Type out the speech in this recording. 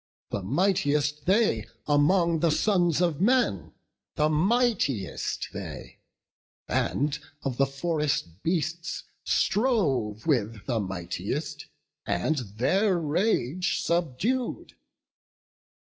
The mightiest they among the sons of men; The mightiest they, and of the forest beasts Strove with the mightiest, and their rage subdued.